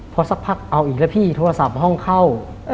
พอสักพักเอาอีกแล้วพี่โทรศัพท์ห้องเข้า